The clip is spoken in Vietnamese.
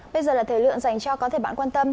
bây giờ là thời lượng dành cho các bạn quan tâm